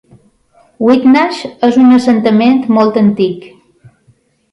Whitnash és un assentament molt antic.